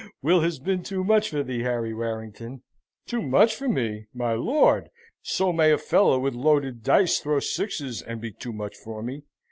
"Will has been too much for thee, Harry Warrington." "Too much for me, my lord! So may a fellow with loaded dice throw sixes, and be too much for me.